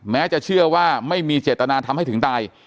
แม้จะเชื่อว่าไม่มีเจตนาทำให้ถึงตาย